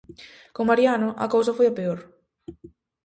Con Mariano, a cousa foi a peor.